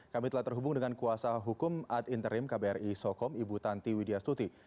kami telah terhubung dengan kuasa hukum ad interim kbri sokom ibu tanti widya stuti